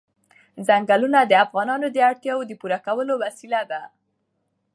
ځنګلونه د افغانانو د اړتیاوو د پوره کولو وسیله ده.